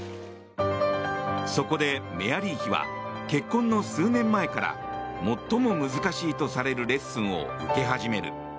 そこでメアリー妃は結婚の数年前から最も難しいとされるレッスンを受け始める。